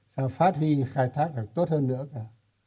sao phát huy khai thác được tốt hơn nữa cả